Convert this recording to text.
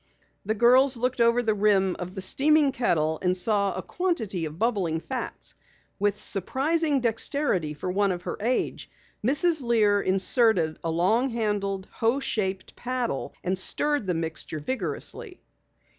The girls looked over the rim of the steaming kettle and saw a quantity of bubbling fats. With surprising dexterity for one of her age, Mrs. Lear inserted a long handled hoe shaped paddle and stirred the mixture vigorously.